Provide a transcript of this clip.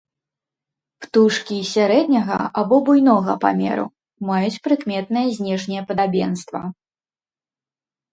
Птушкі сярэдняга або буйнога памеру, маюць прыкметнае знешняе падабенства.